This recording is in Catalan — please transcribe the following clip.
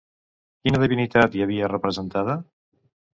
Quina divinitat hi havia representada?